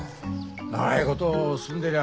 長いこと住んでりゃ